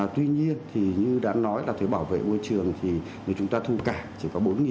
tuy nhiên thì như đã nói là thuế bảo vệ môi trường thì nếu chúng ta thu cả chỉ có bốn